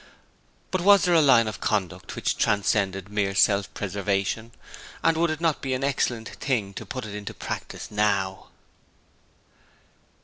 But was there a line of conduct which transcended mere self preservation? and would it not be an excellent thing to put it in practice now?